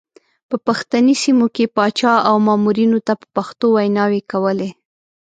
په پښتني سیمو کې پاچا او مامورینو ته په پښتو ویناوې کولې.